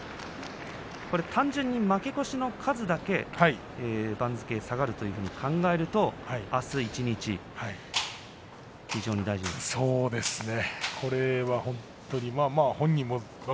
単純に負け越しの数だけ番付が下がるというふうに考えると、あす一日大事ですね。